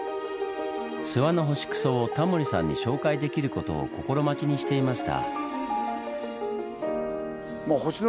諏訪の星糞をタモリさんに紹介できることを心待ちにしていました。